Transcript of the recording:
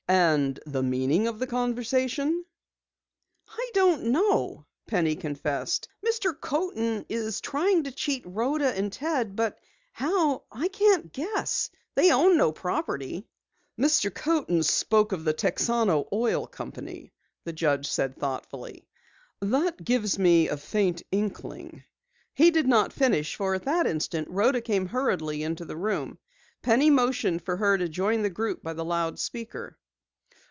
"And the meaning of the conversation?" "I don't know," Penny confessed. "Mr. Coaten is trying to cheat Rhoda and Ted, but how I can't guess. They own no property." "Mr. Coaten spoke of the Texano Oil Company," the judge said thoughtfully. "That gives me a faint inkling " He did not finish, for at that instant Rhoda came hurriedly into the room. Penny motioned for her to join the group by the loudspeaker.